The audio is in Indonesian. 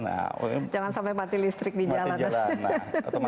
jangan sampai mati listrik di jalan